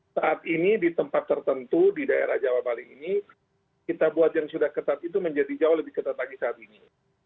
saat ini di tempat tertentu di daerah jawa bali ini kita buat yang sudah ketat itu menjadi jauh lebih ketat lagi saat ini